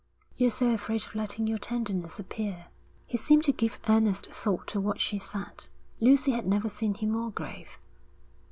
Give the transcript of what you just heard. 'You're so afraid of letting your tenderness appear.' He seemed to give earnest thought to what she said. Lucy had never seen him more grave.